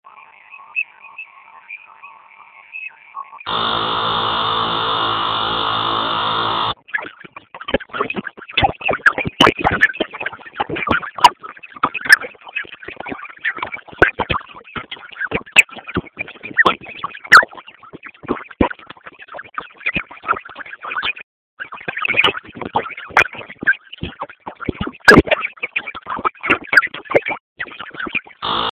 theluthi katika nusu ya kwanza ya mwaka huu